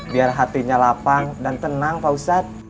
biar hatinya lapang dan tenang pak ustadz